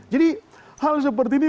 jadi hal seperti ini